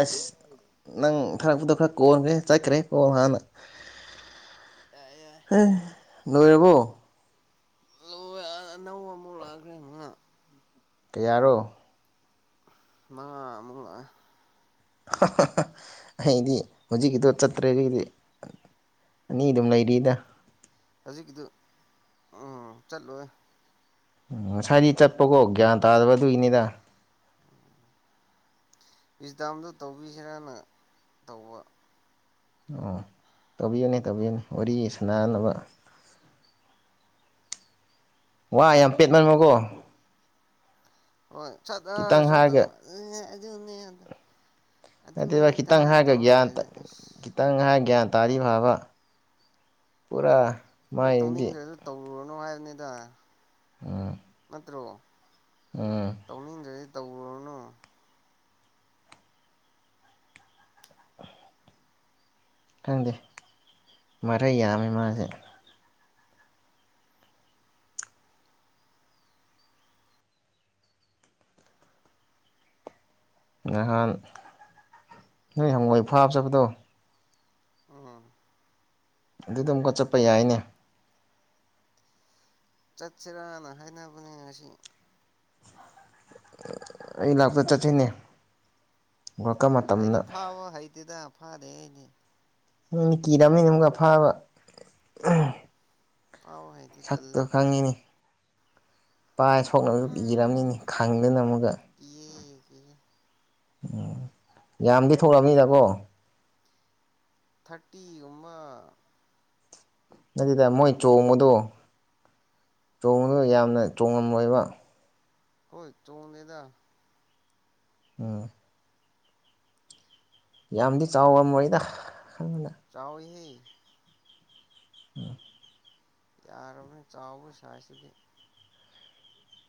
ꯑꯁ ꯅꯪ ꯊꯥꯔꯛꯄꯗꯣ ꯈꯔ ꯀꯣꯟꯈ꯭ꯔꯦ ꯆꯠꯈ꯭ꯔꯦ ꯀꯣꯟ ꯍꯥꯟꯅ ꯑ ꯍ ꯂꯣꯏꯔꯕꯣ ꯅꯧ ꯃꯨꯂꯒ꯭ꯔꯦꯉ ꯀꯌꯥꯔꯣ ꯃꯥ ꯃꯨꯡ ꯑꯩꯗꯤ ꯍꯧꯖꯤꯛꯀꯤꯗꯣ ꯆꯠꯇ꯭ꯔꯦꯒꯤꯗꯤ ꯑꯅꯤ ꯑꯗꯨꯝ ꯂꯩꯔꯤꯗ ꯍꯧꯖꯤꯛꯀꯤꯗꯨ ꯎ ꯆꯠꯂꯣꯏ ꯎꯝ ꯉꯁꯥꯏꯗꯤ ꯆꯠꯄꯀꯣ ꯒ꯭ꯌꯥꯟ ꯇꯥꯗꯕ ꯑꯗꯨꯏꯅꯤꯗ ꯏꯁꯁꯗꯥꯝꯗꯨ ꯇꯧꯕꯤꯁꯤꯔꯅ ꯇꯧꯕ ꯑꯣ ꯇꯧꯕꯤꯌꯨꯅꯦ ꯇꯧꯕꯤꯌꯨꯅꯦ ꯋꯥꯔꯤ ꯁꯅꯅꯕ ꯋꯥ ꯌꯥꯝ ꯄꯦꯠꯅꯃꯣꯀꯣ ꯍ ꯆꯠ ꯆꯠꯇ ꯑꯗꯨ ꯅꯠꯇꯦꯕ ꯈꯤꯇꯪ ꯍꯥꯏꯒꯒ꯭ꯌꯥꯟ ꯑꯁ ꯈꯤꯇꯪ ꯍꯥꯏꯒꯌꯥꯟ ꯇꯥꯔꯤ ꯐꯥꯕ ꯄꯨꯔꯥ ꯍꯣꯏ ꯃꯥꯏꯗꯤ ꯇꯧꯅꯤꯡꯗ꯭ꯔꯦ ꯑꯗꯨ ꯇꯧꯔꯨꯔꯅꯨ ꯍꯥꯏ ꯗ ꯎꯝ ꯀꯠꯇ꯭ꯔꯣ ꯎꯝ ꯇꯧꯅꯤꯖ ꯇꯧꯔꯅꯨ ꯈꯪꯗꯦ ꯃꯔꯩ ꯌꯥꯝꯃꯤ ꯃꯥꯁꯦ ꯅꯍꯥꯟ ꯅꯣꯏ ꯍꯪꯋꯥꯏ ꯐꯥꯕ ꯆꯠꯄꯗꯣ ꯎꯝ ꯑꯗꯨꯗ ꯑꯃꯨꯀ ꯆꯠꯄ ꯌꯥꯏꯅꯦ ꯆꯠꯁꯤꯔꯥꯅ ꯍꯥꯏꯅꯕꯅꯦ ꯉꯁꯤ ꯑꯩ ꯂꯥꯛꯄ ꯆꯠꯁꯤꯅꯦ [unintelligible] ꯀ ꯑꯩꯗꯤ ꯃꯇꯝꯅ ꯐꯥꯕ ꯍꯩꯇꯦꯗ ꯐꯥꯗꯦ ꯑꯅꯦ ꯅꯅ ꯀꯤꯗꯕꯅꯤꯅ ꯑꯃꯒ ꯐꯕ ꯐꯥꯕ ꯍꯩꯇꯦ ꯇꯜꯂꯦ ꯁꯥꯛꯛꯇ ꯈꯪꯉꯤꯅꯤ ꯄꯚꯥꯏ ꯁꯣꯛꯅꯕꯒ ꯏꯔꯝꯅꯤꯅꯤ ꯈꯪꯗꯅ ꯑꯃꯨꯒ ꯀꯤꯌꯦ ꯀꯤꯌꯦ ꯎꯝ ꯌꯥꯝꯗꯤ ꯊꯣꯛꯂꯛꯑꯅꯤꯗꯀꯣ ꯊꯔꯇꯤ ꯎꯃ ꯅꯠꯇꯗ ꯃꯣꯏ ꯆꯣꯡꯃꯨꯗꯣ ꯆꯣꯡꯉꯒ ꯌꯥꯝꯅ ꯇꯣꯡꯉꯝꯂꯣꯏꯕ ꯍꯣꯏ ꯆꯣꯡ ꯂꯩꯗ ꯎꯝ ꯌꯥꯝꯗꯤ ꯆꯥꯎꯕ ꯃꯣꯏꯗ ꯆꯥꯎꯎꯍ ꯎꯝ ꯌꯥꯔꯔꯕꯅꯤ ꯆꯥꯎꯕ ꯁꯁꯤꯗꯤ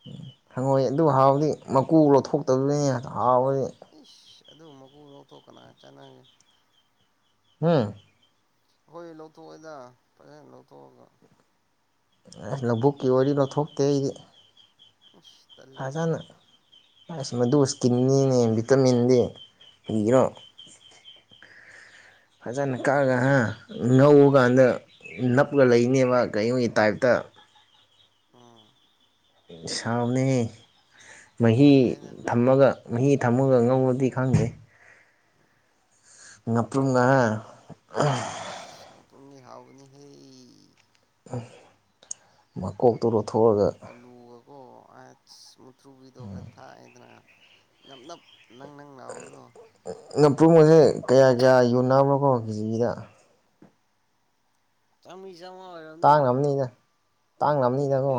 ꯎꯝ ꯍꯪꯉꯣꯏ ꯑꯗꯨ ꯍꯥꯎꯗꯤ ꯃꯀꯨ ꯂꯧꯊꯣꯛꯇꯕꯗꯅꯦ ꯊꯅꯤ ꯏꯁ ꯑꯗꯨ ꯃꯀꯨ ꯂꯧꯊꯣꯛꯀꯅꯥ ꯆꯅꯦ ꯍꯥꯝ ꯍꯣꯏ ꯂꯧꯊꯣꯛꯑꯣꯗ ꯐꯖꯅ ꯂꯧꯊꯣꯛꯑꯒ ꯑꯁ ꯂꯧꯕꯨꯛꯀꯤ ꯋꯥꯔꯤ ꯂꯧꯊꯣꯛꯇꯦ ꯑꯩꯗꯤ ꯇꯂꯦꯗ ꯑ ꯃꯗꯨꯨꯁꯀꯤꯅꯤꯅꯦ ꯚꯇꯃꯤꯟꯗꯤ ꯍꯕꯤꯔꯣ ꯎꯝ [inaudible] ꯎꯝ ꯁꯥꯎꯅꯤ ꯃꯍꯤ ꯇꯜꯂꯦꯗ ꯊꯝꯃꯒ ꯃꯍꯤ ꯊꯝꯃꯒ ꯉꯧꯕꯗꯤ ꯈꯪꯗꯦ ꯉꯥꯄꯔꯨꯝ [inaudible] ꯉꯄꯔꯨꯝ ꯍꯥꯎꯥꯎꯅꯤ ꯍꯦ ꯃꯀꯣꯛ ꯇꯂꯣ ꯊꯣꯛꯣꯛꯑꯒ ꯑꯣ ꯑꯁ ꯃꯨꯊ꯭ꯔꯨꯕꯤꯗꯣ ꯈꯔ ꯊꯥꯛꯑꯗꯅ ꯅꯞ ꯅꯞ ꯅꯪ ꯅꯪ ꯂꯥꯎꯕꯗꯣ ꯉꯥꯄꯔꯨꯝ ꯃꯁꯦ ꯀꯌꯥ ꯀꯌꯥ ꯌꯨꯅꯥ ꯂꯀꯣꯡ ꯖꯤꯗ ꯆꯃꯤ ꯖꯃ ꯑꯣꯏꯔꯣꯅꯤ ꯇꯥꯡ ꯉꯅꯤꯅꯀꯣ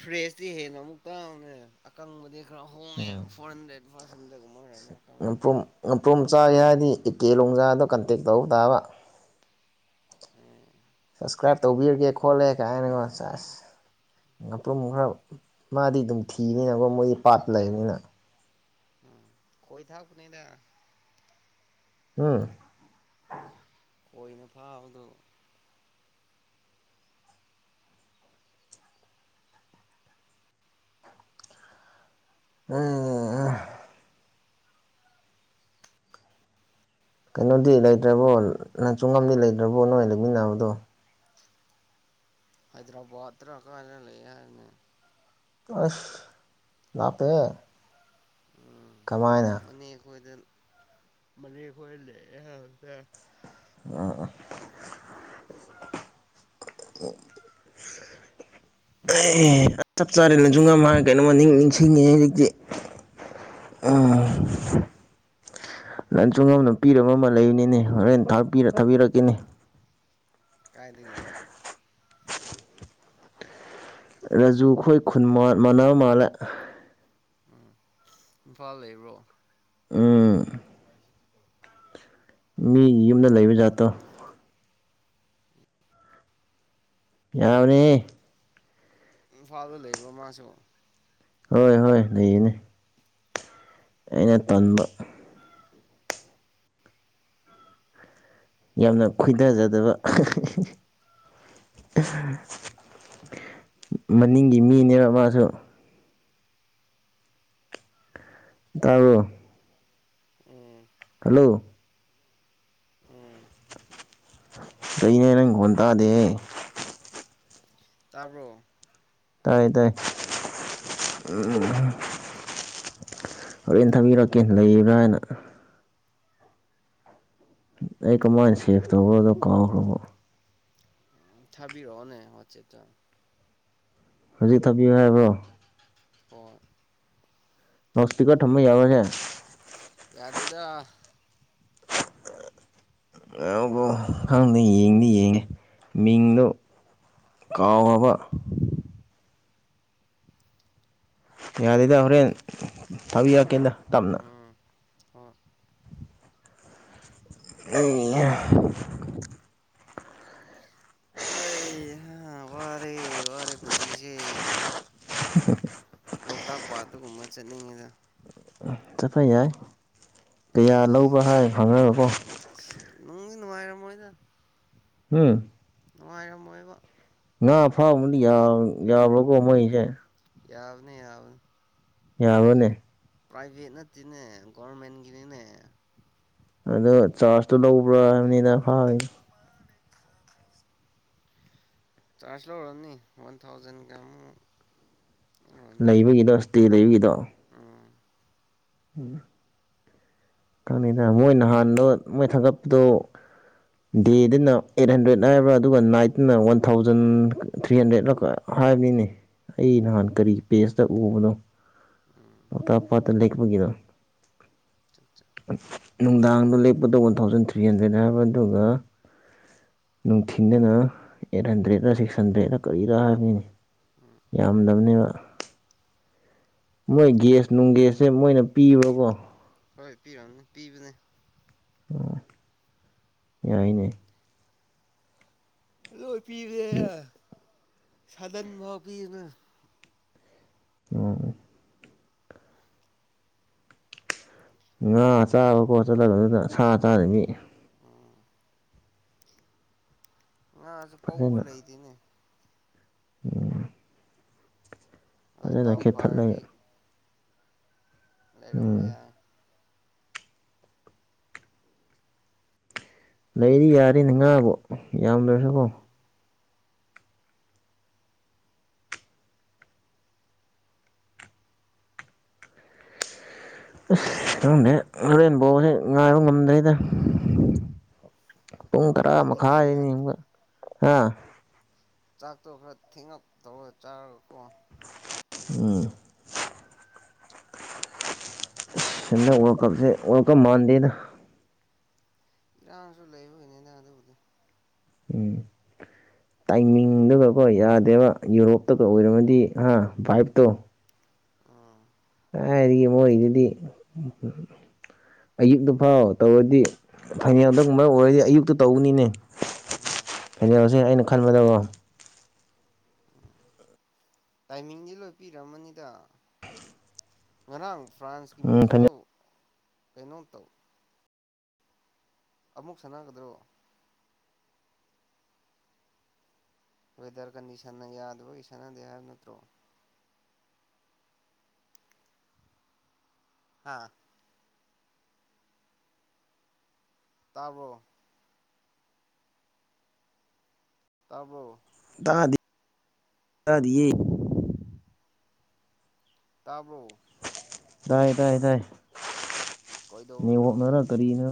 ꯐ꯭ꯔꯦꯁꯇꯤ ꯍꯦꯟꯅ ꯑꯃꯨꯛꯇꯪꯅꯦ ꯑꯀꯪꯕꯗꯤ ꯍ ꯐꯣꯔ ꯍꯟꯗ꯭ꯔꯦꯠ ꯈꯔ ꯁꯗꯦ ꯆꯞ ꯆꯥꯒꯦ ꯍꯥꯏꯔꯗꯤ ꯏꯀꯦ ꯂꯣꯡꯖꯥꯗꯣ ꯀꯟꯇꯦꯛ ꯇꯧꯕ ꯇꯥꯕ ꯎꯝ ꯁꯞꯁꯀ꯭ꯔꯥꯏꯞ ꯇꯧꯕꯤꯔꯒꯦ ꯈꯣꯠꯂꯦ ꯀꯥꯏꯅꯒꯣ ꯑꯁ ꯉꯄ꯭ꯔꯨꯝ ꯈꯔ ꯃꯥꯗꯤ ꯑꯗꯨꯝ ꯊꯤꯅꯤꯅꯀꯣ ꯃꯣꯏꯗꯤ ꯄꯥꯠ ꯂꯩꯕꯅꯤꯅ ꯎꯝ ꯀꯣꯏ ꯊꯥꯛ ꯅꯗ ꯎꯝ ꯀꯣꯏꯅ ꯐꯥꯎꯗꯣ ꯎꯝ ꯀꯩꯅꯣꯗꯤ ꯂꯩꯇ꯭ꯔꯕꯣ ꯅꯆꯨꯡꯉꯝꯗꯤ ꯂꯩꯇ꯭ꯔꯕꯣ ꯅꯣꯏ ꯂꯩꯃꯤꯟꯅꯕꯗꯣ ꯍꯩꯗ꯭ꯔꯕꯥꯗꯔ ꯀꯔ ꯂꯩ ꯌꯥꯔ ꯑꯁ ꯂꯇꯦ ꯎꯝ ꯃꯅꯦꯦꯛ ꯑꯩꯈꯣꯏꯗ ꯃꯅꯤꯈꯣꯏ ꯂꯩꯦꯗ ꯑ ꯆꯞ ꯆꯥꯔꯦꯅ ꯖꯨꯡꯒꯥꯝ ꯀꯩꯅꯣꯃ ꯅꯤꯡ ꯅꯤꯡꯁꯤꯡꯉꯦ ꯍꯧꯖꯤꯛꯇꯤ ꯀꯔꯤꯅꯣ ꯂꯟꯆꯨꯡꯝ ꯑꯗꯨꯝ ꯄꯤꯔꯕ ꯑꯃ ꯂꯩꯕꯅꯤꯅꯦ ꯍꯣꯔꯦꯟ ꯊꯄꯤꯔ ꯊꯥꯕꯤꯔꯛꯀꯅꯤ ꯀꯥꯏꯗꯒꯤꯅꯣ ꯔꯥꯖꯨ ꯈꯣꯏ ꯈꯨꯟ ꯃꯅꯥ ꯃꯥꯜꯂ ꯎꯝ ꯏ ꯐꯜ ꯂꯩꯕ꯭ꯔꯣ ꯎꯝ ꯃꯤ ꯌꯨꯝꯗ ꯂꯩꯕ ꯖꯥꯠꯇꯣ ꯌꯥꯎꯅꯤ ꯐꯥꯗꯔ ꯂꯩ ꯃꯃꯥꯁꯨꯣ ꯍꯣꯏ ꯍꯣꯏ ꯂꯩꯌꯦꯅꯦ ꯑꯩꯅ ꯇꯝꯕ ꯌꯥꯝꯅ ꯈꯣꯏꯗꯖꯗꯕ ꯃꯅꯤꯡꯒꯤ ꯃꯤꯅꯦꯕ ꯃꯥꯁꯨ ꯇꯥꯔꯣ ꯎꯝ ꯍꯜꯂꯣ ꯎꯝ ꯀꯅꯦ ꯅꯪ ꯍꯣꯟꯟꯇꯥꯗꯦ ꯇꯔꯕꯣ ꯇꯥꯏ ꯇꯥꯏ ꯎ ꯍꯣꯔꯦꯟ ꯊꯥꯕꯤꯔꯛꯀꯦ ꯂꯩꯕ꯭ꯔꯥ ꯍꯥꯏꯅ ꯑꯩ ꯀꯃꯥꯏꯅ ꯁꯦꯐ ꯇꯧꯕ꯭ꯔꯣꯗꯣ ꯀꯥꯎꯈ꯭ꯔꯕꯣ ꯊꯕꯤꯔꯑꯣꯣꯅꯦ ꯍꯆꯦꯠꯇ ꯍꯧꯖꯤꯛ ꯊꯥꯕꯤꯌꯨ ꯍꯥꯏꯕ꯭ꯔꯣ ꯑꯣ ꯅꯁꯇꯀ ꯊꯝꯃꯦ ꯌꯥꯎꯕꯅꯦꯦ ꯗꯦꯗꯣ ꯕꯨ ꯈꯪꯗꯦ ꯌꯦꯡꯗꯤ ꯌꯦꯡꯉꯤ ꯃꯤꯡꯗꯣ ꯀꯥꯎꯕ ꯌꯥꯗꯦꯗ ꯍꯣꯔꯦꯟ ꯊꯥꯕꯤ ꯌꯥꯛꯀꯦꯟꯗ ꯇꯝꯅ ꯎ ꯑ ꯑꯩ ꯋꯥꯔꯦ ꯋꯥꯔꯦ ꯄꯨꯟꯁꯤꯁꯦ ꯂꯣꯛꯇꯥꯛ ꯄꯥꯠꯇꯒꯨꯝꯕ ꯆꯠꯅꯤꯡꯉꯤꯗ ꯆꯄꯥꯏ ꯌꯥ ꯀꯌꯥ ꯂꯧꯕ ꯍꯥꯏ ꯈꯪꯉꯒꯀꯣ ꯅꯪ ꯅꯨꯡꯉꯥꯏꯔ ꯃꯣꯣꯏꯗ ꯎꯝ ꯅꯨꯡꯉꯔ ꯃꯣꯏꯒ ꯉꯥ ꯐꯥꯕꯗꯤ ꯌꯥꯕ꯭ꯔꯣꯀꯣ ꯃꯩꯁꯦ ꯌꯥꯎꯕꯅꯦ ꯌꯥꯕꯅ ꯌꯥꯅꯦ ꯄ꯭ꯔꯥꯏꯚꯦꯠ ꯅꯠꯇꯦꯅꯦ ꯒꯣꯔꯃꯦꯟꯒꯤꯅꯤꯅꯦ ꯑꯗ‌ꯩ ꯆꯥꯔꯖꯇꯣ ꯂꯧꯕ꯭ꯔꯥ ꯍꯥꯏꯕꯅꯤꯅ ꯐꯥꯉ ꯆꯥꯔꯖ ꯂ ꯑꯣꯏꯔꯅꯤ ꯋꯥꯟ ꯊꯥꯎꯖꯟ ꯀꯃ ꯇ ꯂꯩꯒꯤꯗꯣ ꯎꯝ ꯎꯝ ꯈꯪꯗ ꯃꯣꯏ ꯅꯍꯥꯟꯗ ꯃꯣꯏ ꯊꯥꯒꯠꯄꯗꯣ ꯗꯦꯗꯅ ꯑꯩꯠ ꯍꯟꯗ꯭ꯔꯦꯗ ꯍꯥꯏꯕ꯭ꯔꯥ ꯑꯗꯨꯒ ꯅꯥꯏꯠꯇꯅ ꯋꯥꯟ ꯊꯥꯎꯖꯟ ꯊ꯭ꯔꯤ ꯍꯟꯗ꯭ꯔꯦꯗ ꯍꯥꯏꯕꯅꯤꯅꯤ ꯑꯩ ꯎꯝ ꯅꯍꯥꯟ ꯀꯔꯤ ꯄꯦꯁ ꯆ ꯎꯕꯅꯣ ꯎꯝ ꯄꯣꯛꯇꯥꯛ ꯄꯥꯠꯇ ꯂꯩꯦꯛꯄꯒꯤꯗꯣ [inaudible] ꯅꯨꯡꯗꯥꯡꯗꯣ ꯂꯦꯞꯄꯗꯣ ꯋꯥꯟ ꯊꯥꯎꯖꯟ ꯊ꯭ꯔꯤ ꯍꯟꯗ꯭ꯔꯦꯗ ꯍꯥꯏꯕ ꯑꯗꯨꯒ ꯅꯨꯡꯊꯤꯟꯗꯅ ꯑꯩꯠ ꯍꯟꯗ꯭ꯔꯦꯗ ꯁꯤꯛꯁ ꯍꯟꯗ꯭ꯔꯦꯗ ꯀꯔꯤꯗ ꯍꯥꯏꯕꯅꯤꯅꯤ ꯎꯝ ꯌꯥꯝꯗꯃꯅꯦꯕ ꯃꯣꯏ ꯒꯦꯁ ꯅꯨꯡꯒꯦꯁꯁꯦ ꯃꯣꯏꯅ ꯄꯤꯕ꯭ꯔꯀꯣ ꯍꯣꯏ ꯄꯤꯔꯝꯅꯦ ꯄꯤꯕꯅꯦ ꯑꯣ ꯌꯥꯏꯅꯦ [unintelligible] ꯐꯤꯔ ꯁꯥꯗꯟꯚꯥꯎ ꯄꯤꯅ ꯑꯣ ꯑꯥ ꯆꯥꯕ ꯈꯣꯠꯇꯅꯤ ꯁꯥ ꯆꯥꯅꯤꯅꯤ ꯎꯝ ꯑꯁꯨ ꯄꯧꯕ ꯐꯖꯅ ꯂꯩ ꯇꯅꯦ ꯍꯣꯏ ꯐꯖꯅ ꯗꯥꯎ ꯈꯦꯠꯊꯠꯂꯒ ꯐꯥꯔꯗꯤ ꯂꯩꯔꯝꯕ ꯎꯝ ꯌꯥꯏ ꯂꯩꯔꯤ ꯌꯥꯔꯤꯅ ꯉꯥꯕꯣ ꯌꯥꯝ ꯂꯣꯏꯔꯦꯀꯣ ꯎꯝ ꯑꯁ ꯈꯪꯗꯔꯦ ꯍꯨꯔꯦꯟꯕꯥꯎ ꯉꯥꯏ ꯉꯝꯗꯦꯗꯥ ꯄꯨꯡ ꯇꯔꯥ ꯃꯈꯥꯏ ꯌꯦꯡꯅꯤꯡꯈ꯭ꯔꯦꯗ ꯍꯥꯏꯅꯤꯡꯕ ꯑꯥ ꯆꯥꯛꯇꯣ ꯈꯔ ꯊꯦꯡꯉ ꯇꯧꯔ ꯆꯥꯔ ꯀꯣ ꯎꯝ ꯁꯤ ꯑꯣꯔ ꯀꯞꯁꯦ ꯑꯣꯔ ꯀꯞ ꯃꯥꯟꯗꯦꯅ ꯏꯔꯥꯡꯁꯨ ꯂꯩꯕꯅꯤ ꯅꯪ ꯑꯗꯨꯕꯨꯗꯤ ꯎꯝ ꯇꯥꯏꯃꯤꯡꯗꯨꯒꯀꯣ ꯌꯥꯗꯦꯕ ꯌꯨꯔꯣꯞꯇꯒ ꯎꯝ ꯑꯣꯏꯔꯝꯃꯗꯤ ꯑ ꯐꯥꯏꯕꯇꯣ ꯎꯝ ꯍꯥꯏꯒ ꯃꯣꯏꯗꯗꯤ ꯑꯌꯨꯛꯇ ꯐꯥꯎ ꯇꯧꯔꯗꯤ ꯐꯥꯏꯅꯦꯜꯗꯒꯨꯝꯕ ꯑꯣꯏꯔꯗꯤ ꯑꯌꯨꯛꯇ ꯇꯧꯕꯅꯤꯅꯦ ꯎꯝ ꯀꯩꯅꯣꯁꯤ ꯑꯩꯅ ꯈꯟꯕꯗꯧꯕꯣ ꯎ ꯇꯥꯏꯃꯤꯡꯗꯤ ꯂꯣꯏ ꯄꯤꯔꯛꯝꯃꯅꯤꯗ ꯉꯔꯥꯡ ꯐ꯭ꯔꯥꯟꯁꯀꯤ ꯎꯝ ꯃꯦꯆ ꯇ ꯐꯥꯏꯅꯦꯜ ꯀꯩꯅꯣ ꯇꯧ ꯑꯃꯨꯛ ꯁꯥꯟꯅꯒꯗ꯭ꯔꯣ ꯋꯦꯗꯔ ꯀꯟꯗꯤꯁꯟꯅ ꯌꯥꯗꯕꯒꯤ ꯁꯥꯟꯅꯗꯦ ꯍꯥꯏꯕ ꯅꯠꯇ꯭ꯔꯣ ꯑꯥ ꯇꯥꯕꯣ ꯇꯕꯔꯣ ꯇ ꯇꯥꯕ꯭ꯔꯣ ꯇꯗꯥꯏ ꯇꯗꯥꯑ ꯇꯗꯥ ꯅꯉꯣ ꯀꯩꯗꯧꯔꯤꯅꯣ ꯅꯅꯥ ꯀꯔꯤꯅ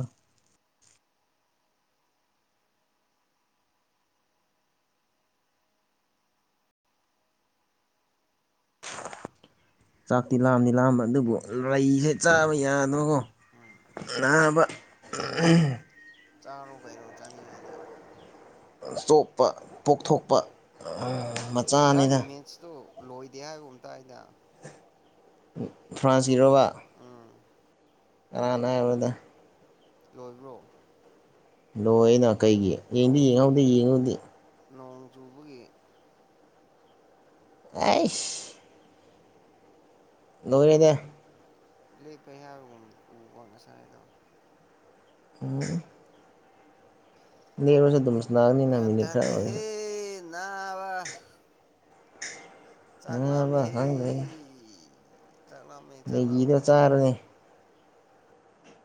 ꯆꯥꯛꯇꯤ ꯂꯥꯝꯗꯤ ꯂꯥꯝꯕ ꯑꯗꯨꯕꯨ ꯂꯩꯁꯦ ꯆꯥꯕ ꯌꯥꯗ꯭ꯔꯀꯣ ꯎꯝ ꯅꯥꯕ ꯆꯥꯔꯣ ꯀꯩꯅ ꯆꯅꯤ ꯏꯗꯤ ꯆꯣꯞꯄ ꯄꯣꯛꯊꯣꯛꯄ ꯃꯆꯥ ꯉꯔꯥꯡꯒꯤ ꯑꯅꯤꯅ ꯃꯦꯠꯁꯇꯣ ꯂꯣꯏꯗꯦ ꯍꯥꯏꯕ ꯑꯝꯇ ꯍꯥꯏꯗ ꯐ꯭ꯔꯥꯟꯁ ꯖꯤꯔꯋꯥ ꯎꯝ ꯀꯅ ꯍꯥꯏꯕꯗ ꯂꯣꯏꯕ꯭ꯔꯣ ꯅꯣꯏ ꯀꯩꯒꯤ ꯌꯦꯡꯗꯤ ꯅꯣꯡ ꯆꯨ ꯌꯦꯡꯍꯧꯗꯦ ꯌꯦꯡꯍꯧꯗ ꯅꯣꯡ ꯆꯨꯕꯒꯤ ꯑꯁ ꯂꯣꯏꯔꯦꯗ ꯂꯦꯞꯄꯦ ꯍꯥꯏꯕꯒꯨꯝ ꯎꯕ ꯉꯁꯥꯏꯗꯣ ꯎꯝ [unintelligible] ꯒ꯭ꯌꯥꯟ ꯅꯥꯡꯅꯤꯅꯃꯤꯅꯤ ꯈꯔ ꯑꯣꯏ ꯇꯥꯗꯦꯍꯦ ꯅꯥꯕ ꯆꯥꯛꯂꯥꯝꯃꯦ ꯅꯥꯕ ꯍꯦ ꯈꯪꯗ꯭ꯔꯦ ꯆꯥꯡꯂꯥꯝꯃꯦ ꯃꯦꯒꯤꯗꯣ ꯆꯥꯛꯂꯥꯝꯃꯦ ꯆꯥꯔꯅꯤ